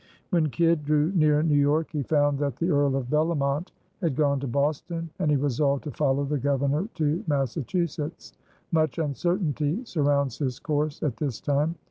When Kidd drew near New York he found that the Earl of Bellomont had gone to Boston, and he resolved to follow the Governor to Massachusetts. Much uncertainty surrounds his course at this time.